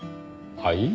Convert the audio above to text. はい？